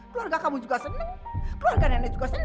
keluarga kamu juga seneng keluarga nenek juga seneng